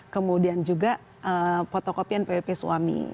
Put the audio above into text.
kemudian juga fotokopi npwp suami